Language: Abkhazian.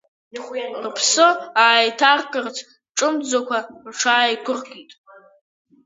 Рԥсы ааиҭаркырц, ҿымҭӡакәа рҽааиқәыркит.